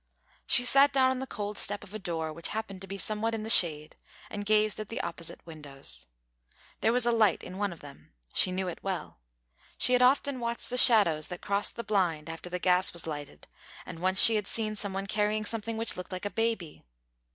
She sat down on the cold step of a door which happened to be somewhat in the shade, and gazed at the opposite windows. There was a light in one of them. She knew it well. She had often watched the shadows that crossed the blind after the gas was lighted, and once she had seen some one carrying something which looked like a baby!